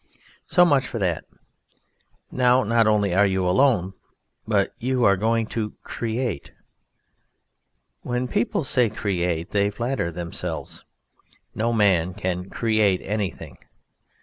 So much for that. Now not only are you alone, but you are going to "create". When people say "create" they flatter themselves. No man can create anything.